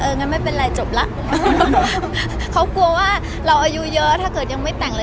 งั้นไม่เป็นไรจบแล้วเขากลัวว่าเราอายุเยอะถ้าเกิดยังไม่แต่งเลย